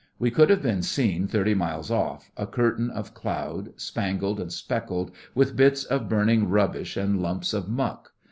We could have been seen thirty miles off, a curtain of cloud, spangled and speckled with bits of burning rubbish and lumps of muck.